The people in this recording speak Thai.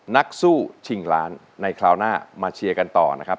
นักสู้ชิงล้านในคราวหน้ามาเชียร์กันต่อนะครับ